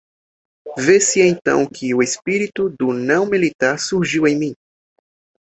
Vê-se então que o espírito do não-militar surgiu em mim.